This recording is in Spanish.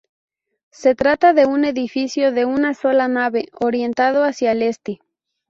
Se trata de un edificio de una sola nave, orientado hacia el este.